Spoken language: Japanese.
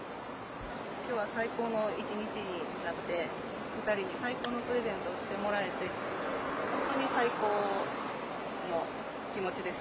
今日は最高の１日になって２人に最高のプレゼントをしてもらえて本当に最高の気持ちです。